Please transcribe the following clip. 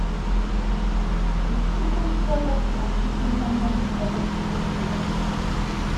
In Zukunft soll dort die Antikensammlung präsentiert werden.